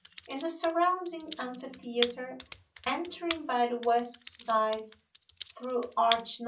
In the surrounding amphitheater (entering by the west side through arch No.